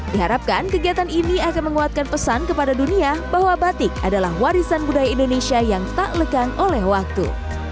diharapkan kegiatan ini akan menguatkan pesan kepada dunia bahwa batik adalah warisan budaya indonesia yang tak lekang oleh waktu